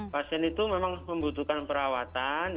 pasien itu memang membutuhkan perawatan